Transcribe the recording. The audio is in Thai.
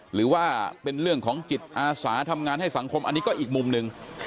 หรือว่าเป็นเรื่องของจิตอาสาทำงานให้สังคมอันนี้ก็อีกมุมหนึ่ง